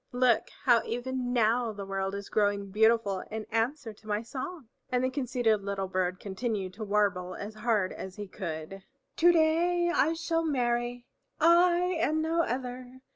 Look, how even now the world is growing beautiful in answer to my song." And the conceited little bird continued to warble as hard as he could, "To day I shall marry, I and no other!